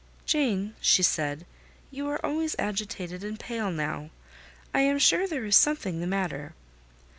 "Jane," she said, "you are always agitated and pale now. I am sure there is something the matter.